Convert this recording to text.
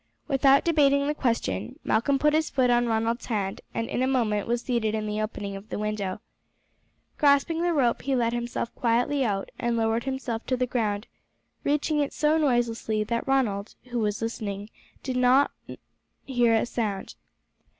Without debating the question, Malcolm put his foot on Ronald's hand, and in a moment was seated in the opening of the window. Grasping the rope he let himself quietly out, and lowered himself to the ground, reaching it so noiselessly that Ronald, who was listening, did nor hear a sound.